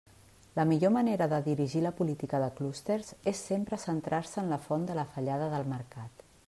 La millor manera de dirigir la política de clústers és sempre centrar-se en la font de la fallada del mercat.